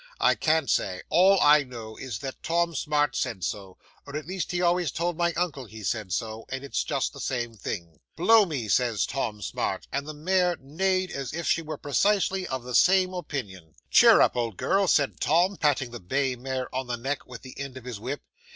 I can't say all I know is, that Tom Smart said so or at least he always told my uncle he said so, and it's just the same thing. "'Blow me," says Tom Smart; and the mare neighed as if she were precisely of the same opinion. "'Cheer up, old girl," said Tom, patting the bay mare on the neck with the end of his whip.